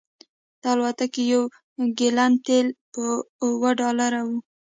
د الوتکې یو ګیلن تیل په اوه ډالره و